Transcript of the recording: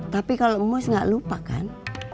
tapi kalau emos nggak lupa kan